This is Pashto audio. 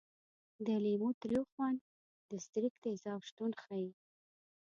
د لیمو تریو خوند د ستریک تیزاب شتون ښيي.